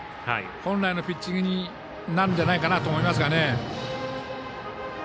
本来のピッチングになるんじゃないかなと思いますが。